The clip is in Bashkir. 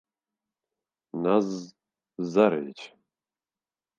Наз... зарович!